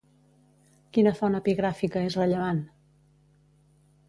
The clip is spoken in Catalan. Quina font epigràfica és rellevant?